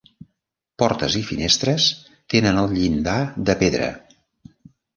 Portes i finestres tenen el llindar de pedra.